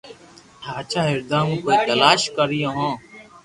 ھاچا ھردا مون ڪوئي تلاݾ ڪريو ھي